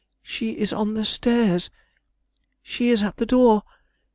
She is on the stairs! she is at the door!